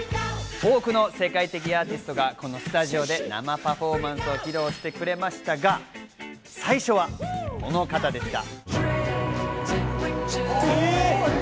多くの世界的アーティストがこのスタジオで生パフォーマンスを披露してくれましたが、最初はこの方でした。